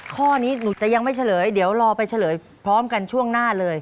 ข้อนี้หนูจะยังไม่เฉลยเดี๋ยวรอไปเฉลยพร้อมกันช่วงหน้าเลย